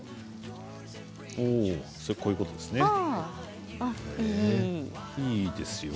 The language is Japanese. こういうことですね。